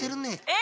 え？